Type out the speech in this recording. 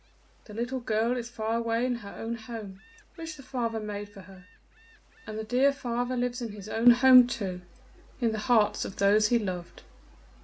"The little girl is far away in her own home, which the father made for her, and the dear father lives in his own home too in the hearts of those he loved."